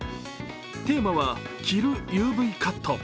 テーマは着るＵＶカット。